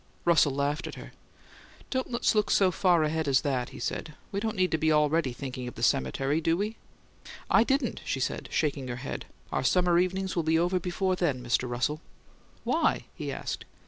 Russell laughed at her. "Don't let's look so far ahead as that," he said. "We don't need to be already thinking of the cemetery, do we?" "I didn't," she said, shaking her head. "Our summer evenings will be over before then, Mr. Russell." "Why?" he asked.